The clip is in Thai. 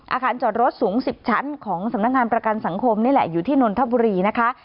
อาคารจอดรถสูง๑๐ชั้นของสำนักงานประกันสังคมนี่แหละอยู่ที่นนทบุรีนะคะ